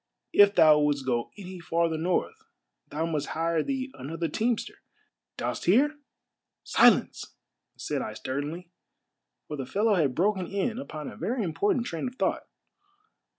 If thou wouldst go any farther north thou must hire thee another teamster ; dost hear?" " Silence !" said I sternly, for the fellow had broken in upon a very important train of thought.